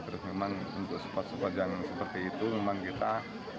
dan memang untuk spot spot yang seperti itu memang kita